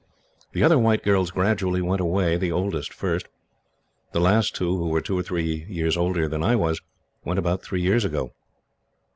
The other white girls gradually went away, the oldest first. The last two, who were two or three years older than I was, went about three years ago.